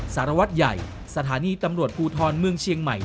สารวัตรใหญ่สถานีตำรวจภูทรเมืองเชียงใหม่